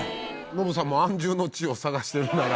ノブさんも安住の地を探してるなら。